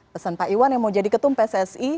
pesan pak iwan yang mau jadi ketua umum pssi